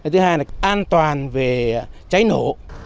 thứ hai là an toàn về cháy nổ